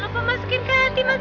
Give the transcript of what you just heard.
udah udah dapat